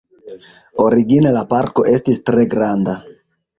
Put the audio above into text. Origine la parko estis tre granda.